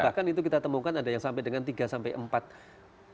bahkan itu kita temukan ada yang sampai dengan tiga sampai empat orang